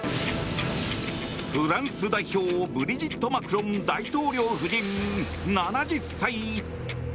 フランス代表ブリジット・マクロン大統領夫人７０歳。